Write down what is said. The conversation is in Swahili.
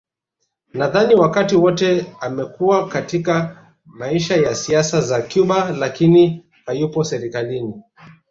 Nadhani wakati wote amekuwa katika maisha ya siasa za Cuba lakini hayupo serikalini